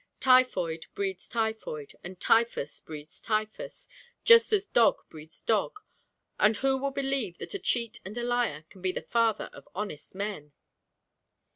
Typhoid breeds typhoid, and typhus breeds typhus, just as dog breeds dog; and who will believe that a cheat and a liar can be the father of honest men?'